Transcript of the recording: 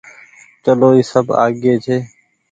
چلو اي سب آگيئي ڇي۔